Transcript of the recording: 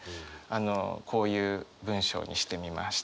こういう文章にしてみました。